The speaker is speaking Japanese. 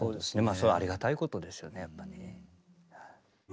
それはありがたいことですよねやっぱね。